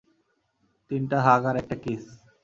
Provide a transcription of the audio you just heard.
তিনটা হাগ আর একটা কিস।